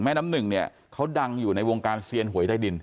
น้ำหนึ่งเนี่ยเขาดังอยู่ในวงการเซียนหวยใต้ดิน